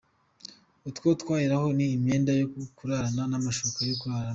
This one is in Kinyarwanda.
Icyo twaheraho ni imyenda yo kurarana n’amashuka yo kuraramo.